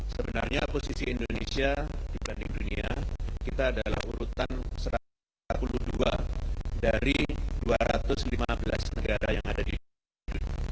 sebenarnya posisi indonesia dibanding dunia kita adalah urutan satu ratus tiga puluh dua dari dua ratus lima belas negara yang ada di indonesia